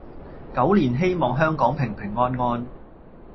狗年希望香港平平安安